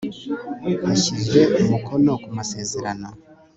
hashyizwe umukono ku masezerano